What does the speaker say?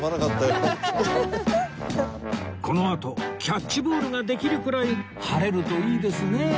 このあとキャッチボールができるくらい晴れるといいですね